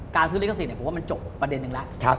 การซื้อลิขสิทธิ์ผมว่ามันจบประเด็นนึงแล้ว